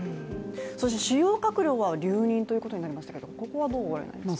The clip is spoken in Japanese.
そして主要閣僚は留任ということになりましたが、ここはどうですか？